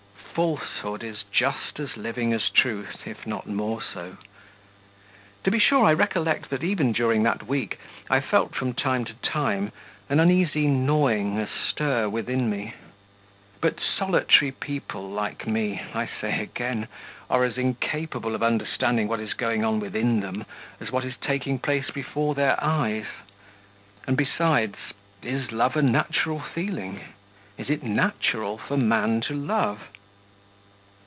Falsehood is just as living as truth, if not more so. To be sure, I recollect that even during that week I felt from time to time an uneasy gnawing astir within me ... but solitary people like me, I say again, are as incapable of understanding what is going on within them as what is taking place before their eyes. And, besides, is love a natural feeling? Is it natural for man to love?